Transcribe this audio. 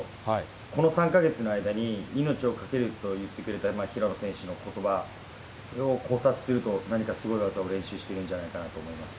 この３か月の間に命を懸けると言ってくれた平野選手のことばを考察すると、なんかすごい技を練習しているんじゃないかなと思います。